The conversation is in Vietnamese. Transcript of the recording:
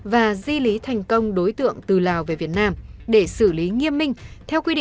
và di lý thành công đối tượng từ lào